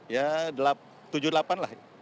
ya tujuh delapan lah